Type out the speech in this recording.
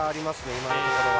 今のところは。